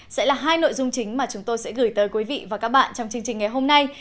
sẽ là hai nội dung chính mà chúng tôi sẽ gửi tới quý vị và các bạn trong chương trình ngày hôm nay